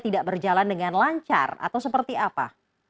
tidak berjalan dengan lancar atau seperti apa